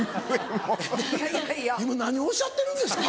今何をおっしゃってるんですか？